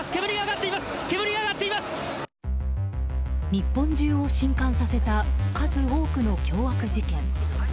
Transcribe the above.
日本中を震撼させた数多くの凶悪事件。